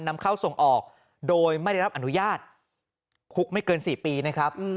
นำเข้าส่งออกโดยไม่ได้รับอนุญาตคุกไม่เกิน๔ปีนะครับ